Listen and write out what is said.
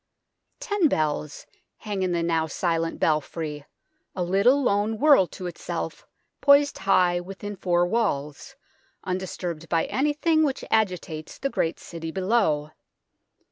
Ten bells hang in the now silent belfry, a little lone world to itself poised high within four walls, undisturbed by anything which agitates the great city below.